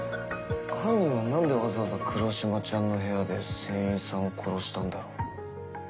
犯人は何でわざわざ黒島ちゃんの部屋で船員さんを殺したんだろう。